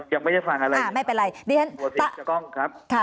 ยังไม่ได้ฟังอะไรอ่ะไม่เป็นไรก็เปล่าครับค่ะท่าน